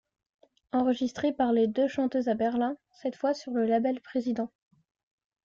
Enregistré par les deux chanteuses à Berlin, cette fois sur le label President.